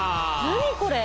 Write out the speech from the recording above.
何これ？